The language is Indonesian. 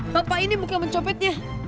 bapak ini mungkin mencopetnya